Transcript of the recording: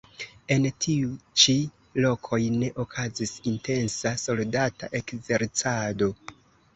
En tiuj ĉi lokoj ne okazis intensa soldata ekzercado.